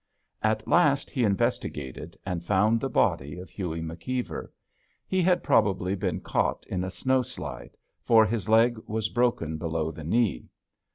At last he investigated, and found the body of Hughie McKeever. He had probably been caught in a snow slide, for his leg was broken below the knee.